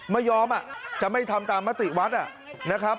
ไม่ยอมจะไม่ทำตามมติวัดนะครับ